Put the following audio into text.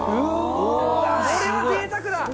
これはぜいたくだ。